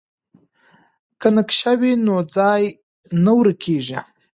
که نقشه وي نو ځای نه ورکېږي.